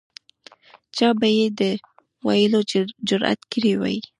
چا به یې د ویلو جرأت کړی وای.